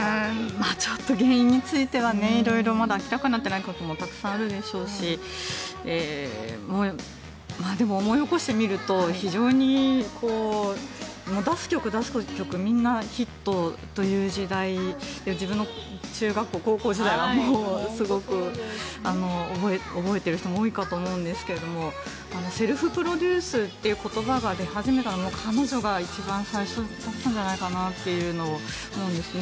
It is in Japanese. ちょっと原因については色々明らかになっていないこともたくさんあるでしょうしでも、思い起こしてみると非常に出す曲出す曲みんなヒットという時代で自分の中学校、高校時代はすごく覚えている人も多いかと思うんですけどもセルフプロデュースという言葉が出始めたのも彼女が一番最初だったんじゃないかなと思うんですね。